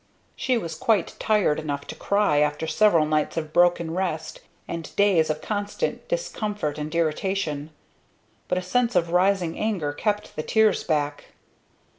She was quite tired enough to cry after several nights of broken rest and days of constant discomfort and irritation; but a sense of rising anger kept the tears back.